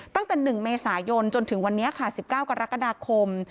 ตั้งแต่๑เมษายนจนถึงวันนี้ค่ะ๑๙กรกฎาคม